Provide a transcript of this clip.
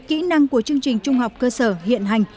kỹ năng của chương trình trung học cơ sở hiện hành